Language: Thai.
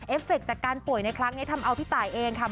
ฟเฟคจากการป่วยในครั้งนี้ทำเอาพี่ตายเองค่ะ